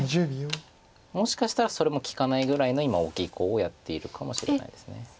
もしかしたらそれも利かないぐらいの今大きいコウをやっているかもしれないです。